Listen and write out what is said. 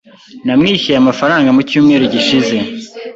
Namwishyuye amafaranga mu cyumweru gishize.